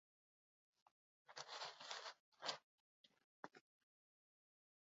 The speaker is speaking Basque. Hirugarrena sartzeko aukerak izan zituen talde nafarrak, baina ezin gola sartu.